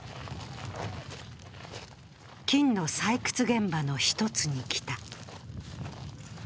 金の採掘現場の一つに来た。